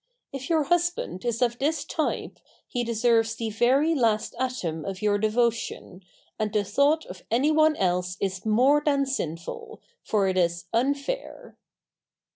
If your husband is of this type he deserves the very last atom of your devotion, and a thought of any one else is more than sinful, for it is unfair.